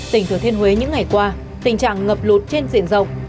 tỉnh thừa thiên huế những ngày qua tình trạng ngập lụt trên diện rộng